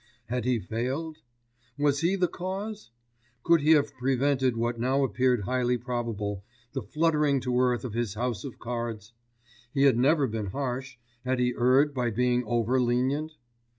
Had he failed? Was he the cause? Could he have prevented what now appeared highly probable, the fluttering to earth of his house of cards? He had never been harsh, had he erred by being over lenient?